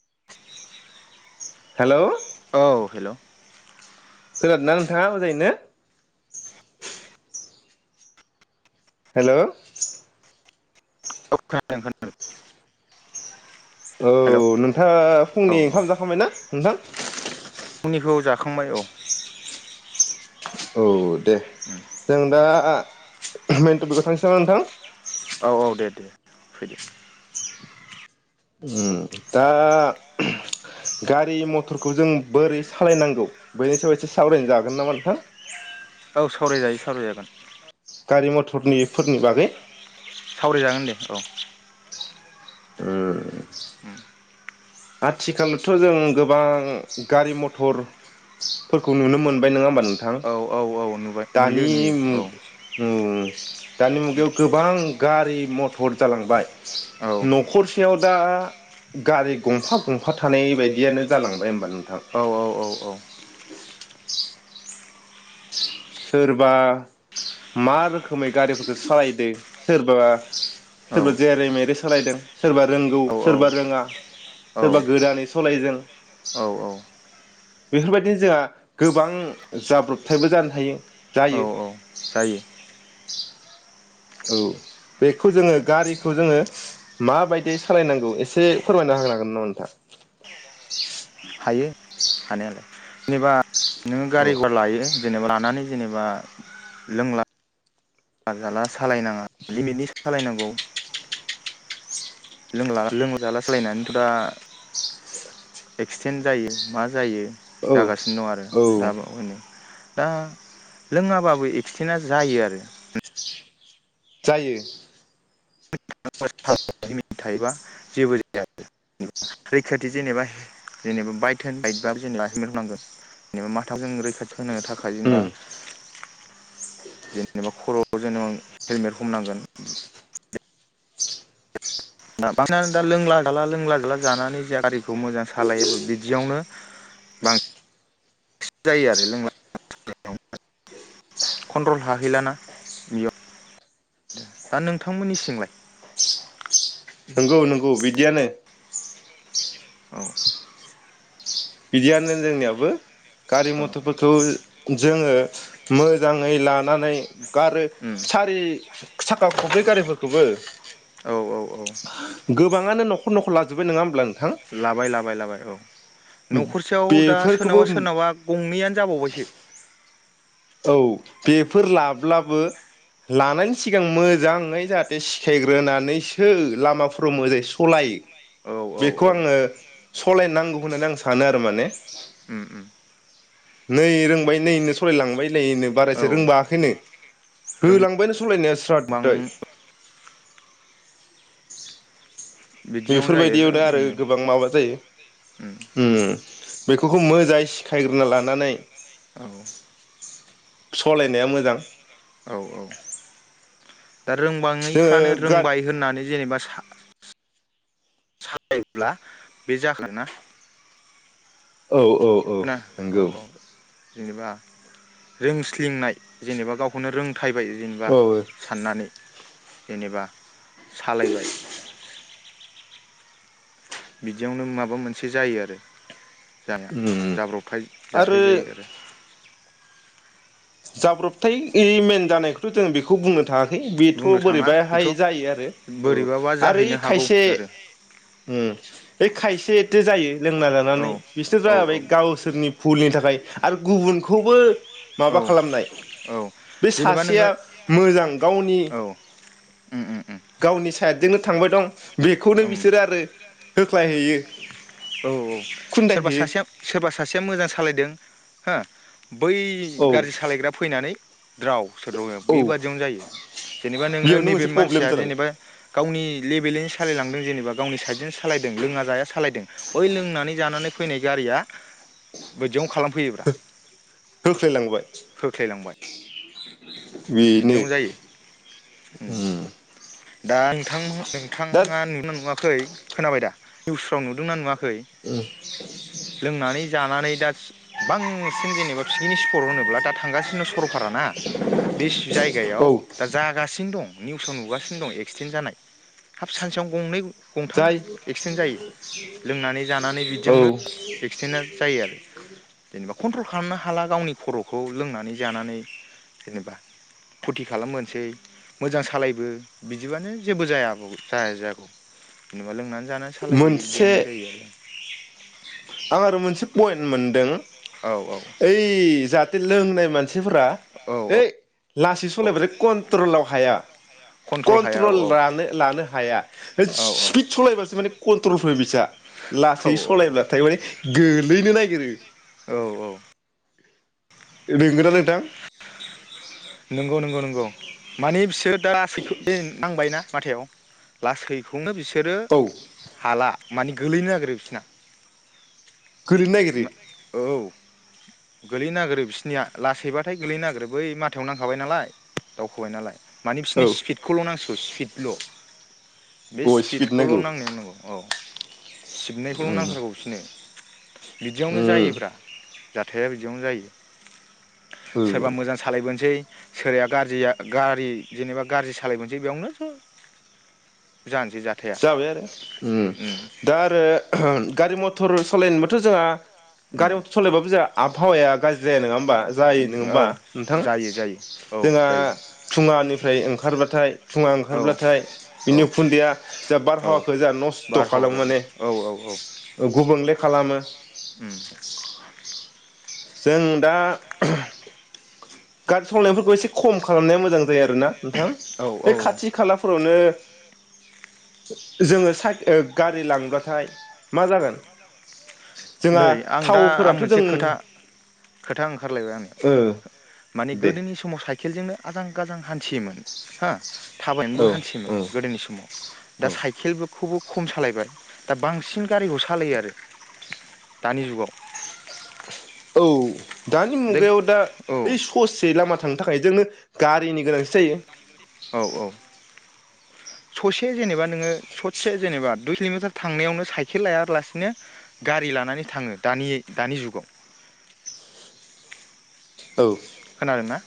[inaudible] Hello. औ hello. खोनादोंना नोंथाङा मोजाङैनो? हेल'। औ खोनादों खोनादों। औ हेल' नोंथाङा औ फुंनि औ ओंखाम जाखांबाय ना नोंथां? फुंनिखौ जाखांबाय औ। औ दे उम जों दा मेन टपिकआव थांसै नामा नोंथां? औ औ दे दे फैदो। उम दा गारि मथरखौ जों बोरै सालायनांगौ बेनि सायाव एसे सावराय जागोन नामा नोंथां? औ सावरायजायो सावरायजागोन। गारि मथरनिफोरनि बागै सावरायजागोन दे औ। उम। आथिखालावथ' जों गोबां गारि मथरफोरखौ नुनो मोनबाय नङा होमबा नोंथां? औ औ नुबाय नुयो दानि नुयो मु औ मु दानि मुगायाव गोबां गारि मथर जालांबाय। औ न'खरसे सेयाव दा गारि गंफा गंफा थानाय बायदियनो जालांबाय होमबा नोंथां। औ सोरबा मा रोखोमै गारिफोरखौ सालायदों सोरबा औ सोरबा जेरै मेरै सालायदों सोरबा रोंगौ औ सोरबा रोङा औ सोरबा गोदानै सालायदों औ औ बेफोरबायदिनो जोंहा गोबां जाब्रब थायबो जानो हायो जायो। जायो। [unintelligible] औ बेखौ जोङो गारिखौ जोङो माबायदि सालायनांगौ एसे फोरमायना हांनागोन नामा नोंथां। हायो हानायालाय जेनेबा नोङो औ गारि गघरा लायो जेनेबा लानानै जेनेबा लोंला जााला सालायनाङा लिमिटनि सालायनांगौ लोंला लोंलाजाला सालायनानैथ' दा एक्सिडेन्ट जायो मा जायो। औ जागासिनो दं आरो औ दा होनो दा लोङाबाबो एक्सिडेन्टआ जायो आरो। जायो। [unintelligible] लिमिट थायोबा जेबो जाया जैखाथि जेनेबा जेनेबा बाइक बायबा जेनेबा हेलमेटांगोन जेनेबा माथाखौजों रै होनो थाखाय जेनेबा जेनेबा खर'आव जेनेबा हेलमेट हमनांगोन बांसिनानो दा लोंला जाला लोंला जाला जानानै जे गारिखौ मोजां सालायाबो बिदियावनो बांसिन जायो आरो लोंला कन्ट्रल हाहैलाना बेयाव दा नोंथांमोननि सिंलाय नंगौ नंगौ बिदियानो औ। बिदियानो जोंनियाबो गारिलि मथ'फोरखौ जोङो मोजाङै लानानै आरो सारि थाखा खबब्रै गारिफोरखौबो औ औ औ गोबाङानो न'खर न'खर लाजोब्बाय नङा होमब्ला नोंथां लाबाय लाबाय लाबाय औ नों। खरसेयाव दा बेफोरखौबो सोरनाबा सोरनावाबा गंनैयानो जाबावबायसो औ बेफोर लाब्लाबो लानायनि सिगां मोजाङै जाहाथे सिखायग्रोनानैसो लामाफोराव मोजाङै सलायो औ बेखौ औ आङो सालायनांगौ होननानै आं सानो आरो माने उम उम नै रोंबाय नैनो सालायलांबाय नो औ बारायसे रोंबाखैनो रोंबां होलांबायानो सालायनाया स्राद बिदियावनो जायो बेफोरबायदियावनो आरो जोंनियाव गोबां माबा जायो। उम बेफोरखौ मोजाङै सिखायग्रोना लानानै औ सलायनाया मोजां! औ दा जोङो रोंबाङैफ्रानो गा रोंबाय होननानै जेनेबा ब्ला बे जाखोना औ। औ औ ना औ नंगौ औ। जेनेबा रोंसलिंनाय जेनेबा गावखौनो रों थायबाय जेनेबा औ साननानै जेनेबा सालायबाय बिदियावनो माबा मोनसे जायो आरो जा उम जाब्रबथाय जाथाय जायो आरो। जाब्रबथाय मेन जानायखौथ' जोंङ बेखौ बुंनो थाङाखै बेथ' बुंनो थाङा बेथ' बोरैबाहाय जायो आरो औ बोरैबाबा आरो जाहैनो हागौ खायसे आरो बे खायसे एथे जायो लोंना औ जानानै बिसोर औ जाबाय गावसोरनि भुलनि थाखाय आरो गुबुनखौबो औ माबा खालामनाय औ बे जेनेबा सासेया नोङो मोजां गावनि औ उम उम उम गावनि साइडजोंनो थांबाय दं बेखौनो उम बिसोरो आरो होख्लायहैयो। औ सोरबा खुन्दायहैयो सासेया सोरबा सासेया मोजां सालायदों हा बै औ गाज्रि सालायग्रा फैनानै द्राव सोद्राव औ बेबादियावनो जायो जेनेबा नोङो बेयावनो नैबे मोनसे प्रब्लेम मानसिया जालांबाय जेनेबा गावनि लेबेलैनो सालायलांदों जेनेबा गावनि साइडजों सालायदों लोङा जाया सालायदों बै लोंनानै जानानै फैनाय गारिया बिदियावनो खालाम होख्लायलांबाय [unintelligible] होख्लायलांबाय बिदियावनो जायो दा नोंथां दा नोंथाङा नुदोंना नुवाखै? खै खोनाबाय दा निइउसफ्राव नुदोंना नुवाखै? खै लोंनानै जानानै दा बांसिन जेनेबा पिकनिक स्पटआव होनोब्ला दा थांगासिनो सर'ल पारा ना बे जायगायाव औ दा जागासिनो दं। निउसाव नुगासिनो दं एक्सिडेन्ट जानाय हाब सानसेयावनो गंनै गं गंथाम जाय एक्सिडेन्ट जायो लोंनानै जानानै औ बिदियावनो एक्सिडेन्टआ जायो आरो जेनेबा कन्ट्रल खालामनो हाला गावनि खर'खौ लोंनानै जानानै जेनेबा फुरथि खालामबोनोसै मोजां सालायबो बिदिबानो जेबो जाय जाया जागौ जेनेबा लोंनानै जानो सालायबोयो मोनसे बिदियावनो जायो आरो आं आरो मोनसे पइन्ट मोनदों आरो औ ओइ जाथ लोंनाय मानसि मानसिफोरा औ औ है लासै औ सलायबाय कन्ट्रलाव हाया हाया औ कन्ट्रल ला लानो हाया औ स्पिड सालायबासो मानि कन्ट्रल फैयो बिसिना औ लासै सलायबा गोलैनो नागिरो। औ औ नोंगौना नोंथां नंगौ नंगौ नंगौ मानि बि दासैखौ नांबाय ना माथायाव लासैखौनो बिस सोरो औ हाला माने गोलैनो नागिरो बिसना गोलैनो नागिरो ना औ गोलैनो नागिरो बिसोरनिया लासैबाथाय गोलैनो नागिरो बै मा थायाव नांखाबाय नालाय दावखोबाय नालाय माने औ बिसोरनि स्पिदखौल' नांसिगौ स्पिडल' बे अ स्पिड नांगौ स्पिडखौल' नांनायाव नांगौ औ [inaudible] सिबनायखौल' नांथारगौ बिसिनो बिदियावनो उम जायोब्रा जाथाया बिदियावनो जायो औ सोरबा मोजां सालायबोन सै सोराया गाज्रि आ गारि जेनेबा गाज्रि सालायबोसै बेयावनो ज' जानोसै जाथाया जाबाय आरो ओम उम दा आरो गारि मथर सालायनोब्लाथ' जोंहा उम गारियावथ' सलायबाबो जाया आबहावाया गा जाया नङा हा जायो नङा औ होमबा नोंथां जायो जायो औ जोंहा जायो फुङानि ओमफ्राय ओंखारबाथाय धुंड़ा औ ओंखारब्लाथाय औ बिनि उखुन्दैआ जा औ बारहावाखौ जा नस्थ बारहावा खालामो गाज्रि माने औ औ औ गुबुनले खालामो [inaudible] उम जों दा गारि सलायनायफोरखौ एसे खम खालामनाया मोजां जायो आरोना नोंथां औ औ बे औ खाथि खालाफोरावनो जोङो सा गारि लांबथाय मा जागोन जोंहा नै आं दा आं थावफोराथ' मोनसे जों खोथा खोथा ओंखारलायबाय आंनियाव ओ माने दे गोदोनि समाव साइकेलजोंनो आजां गाजां हान्थियोमोन हो थाबायनोबो औ हान्थियोमोन औ गोदोनि समाव दा औ साइकेलबो खौबो खम सालायबाय दा बांसिन गारिखौ सालायो आरो। दानि जुगाव। औ। दानि दे मुगायाव दा औ ओइ ससे लामा थांनो थाखाय जोंनो गारिनि गोनांथि जायो। औ औ। ससे जेनेबा नोङो ससे जेनेबा दुइ किलमिटार थांनायावनो साइकेल लायालासिनो गारि लानानै थाङो दानि दानि जुगाव। औ। खोनादों ना?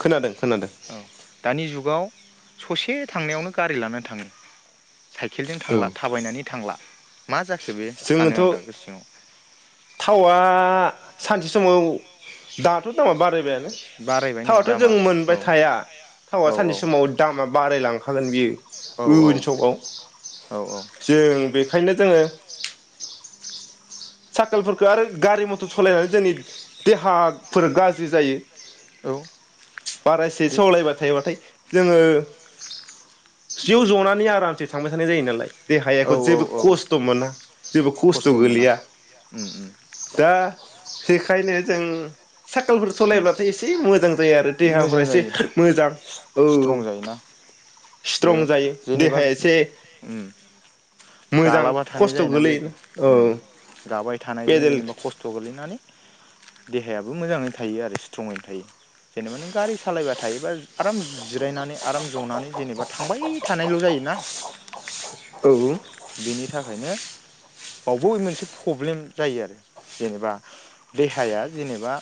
खोनादों खोनादों। जुगाव ससे थांनायावनो गारि लानानै थाङो। साइकेलजों औ थांला थाबायनानै थांला। मा जाखो? बे सानो जोंनोथ' आं दा गोसो सिङाव थावआ सानसे समाव दाथ' दामा बारायबायानो बारायबाय नै थावाथ' जों दामा औ मोनबाय थाया थावा औ सानसे समाव दामा बारायलांखायो। हागोन बियो औ औ उयनसक आव औ औ जों बे ओंखायनो जोङो साइकेलफोरखो आरो गारि मथर सालायनानै जोंनि देहाफोर गाज्रि जायो। औ बारासे बे सावलायबाय थायोबा थाय जोङो सियाव जनानै आरामसे थांबाय थानाय जायो नालाय। औ देहायाखौ औ जेबो औ खस्थ' मोना जेबो खस्थ' गोलैया। उम उम। दा बेखायनो जों साइकेलफोर सालायब्लाथाय एसे मोजां जायो आरो देहाफोरा मोजां एसे जायो मोजां स्ट्रं औ जायोना बे स्ट्रं जायो जेनेबा देहाया एसे उम मोजां गालाबा थानाय खस्थ' जायोना बे गोलैयो औ उम गाबाय थानायजों पेदेल जेनेबा खस्थ' गोलैनानै देहायाबो मोजाङैनो थायो आरो स्ट्रंङैनो थायो जेनेबा नों गारि सालायबाय थायोबा आराम जिरायनानै आराम जनानै जेनेबा थांबाय थानायल' जायोना। औ। बेनि थाखायनो बावबो मोनसे पब्लेम जायो आरो जेनेबा देहाया जेनेबा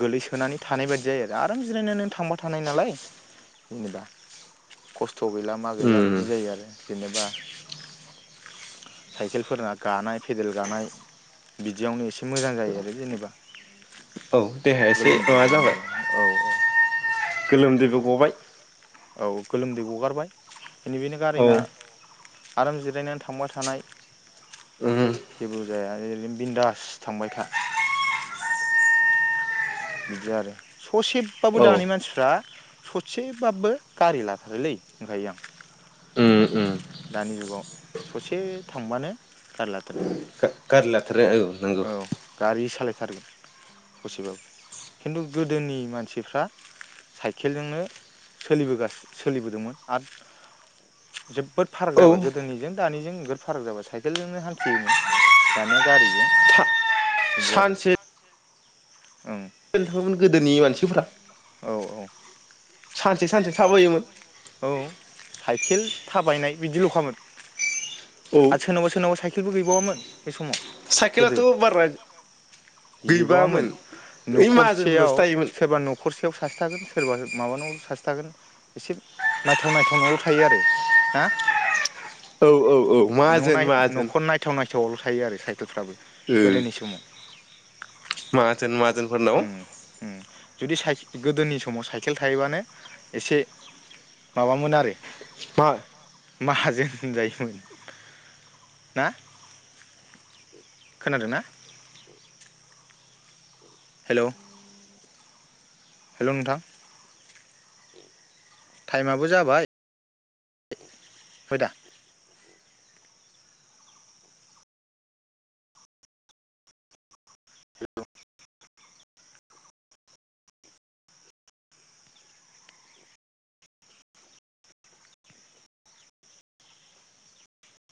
गोलैसोनानै थानाय बायदि जायो आरो आराम जिरायनानै नों थांबाय थानाय नालाय जेनेबा खस्थ थ' गैला मा गैला उम बिदि जायो आरो जेनेबा साइकेलफोरना गानाय पेदेल गानाय बिदियावनो एसे मोजां जायो आरो जेनेबा औ देहाया एसे गोलोमदै माबा गनो जाबाय औ औ गोलोमदैबो गबाय औ गोलोमदै गगारबाय इनिखायनो गारि ना औ आराम जिरायनानै थांबाय थानाय उम जेबोजाया ओरै बिन्दास थांबाय था बिदि आरो ससेब बाबो औ दानि मानसिफ्रा ससेबाब्बो गारि लाथारोलै होनखायो आं उम उम दानि जुगाव ससे थांबानो गारोलाथारो गारि लाथारो औ नंगौ थारगोन ससेबाबो खिन्थु गोदोनि मानसिफ्रा साइकेलजोंनो सोलिबोगास सोलिबोदोंमोन आरो जोबोद फाराग औ जाबाय गोदोनिजों दानिजों ओगद फाराग जाबाय साइकेलजोंनो हान्थियोमोन दानिया गारिजों बिदि आरो ओं नोथाङाबो गोदोनि मानस [unintelligible] औ औ सानसे सानसे थाबयोमोन औ साइकेल थाबायनाय बिदिल'खामोन औ आरो सोरनावबा सोरनावबा साइकेलबो गैबाव बहामोन? बे समाव गोदो साइकेलाथ' बारा गैबावामोन गैबामोन ओइ न'खरसेयाव माहाजोनफोरनावसो थायोमोन सोरबा न'खरसेयाव सासे थागोन सोरबा माबानावबो सासे थागोन एसे नायथाव नायथाव न'आवल' थायो आरो ना? औ औ औ माजोन माजोन थआवल' थायो आरो साइ उम माजोन माजोन फोरनाव उम उम जुदि साय गोदोनि समाव साइकेल थायोबानो एसे माबामोन आरो मा माहाजोन जायोमोन ना खोनादोंना हेलौ हेलौ नोंथां टाइमाबो जाबाय फय दा